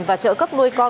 và trợ cấp nuôi con